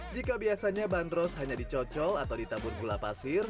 jika biasanya bandros hanya dicocol atau ditabur gula pasir